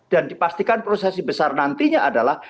dan dipastikan prosesi besar nantinya adalah